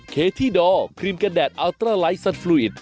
ใครอ่ะไม่รู้